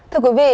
thưa quý vị